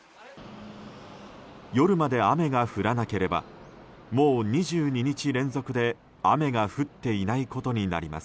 夜まで雨が降らなければもう、２２日連続で雨が降っていないことになります。